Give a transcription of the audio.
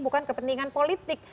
bukan kepentingan politik